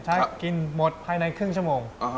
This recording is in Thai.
กินหมดภายในครึ่งชั่วโมง